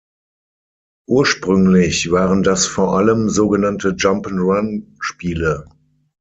Ursprünglich waren das vor allem sogenannte Jump ’n’ Run-Spiele.